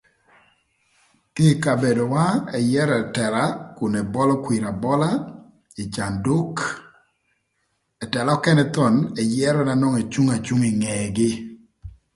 Kï ï kabedowa ëyërö ëtëla nakun ebolo kwir abola ï canduk, ëtëla nökënë thon ëyërö na nwongo ecung acunga ï ngegï.